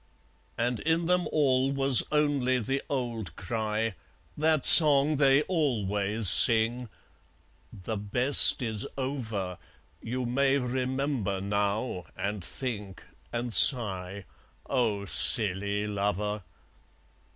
And in them all was only the old cry, That song they always sing "The best is over! You may remember now, and think, and sigh, O silly lover!"